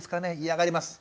嫌がります。